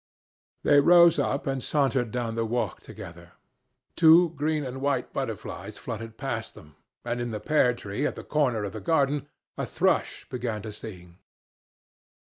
They rose up and sauntered down the walk together. Two green and white butterflies fluttered past them, and in the pear tree at the corner of the garden a thrush began to sing.